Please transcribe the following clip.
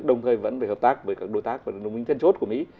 đồng thời vẫn phải hợp tác với các đối tác và đồng minh thiên suốt của mỹ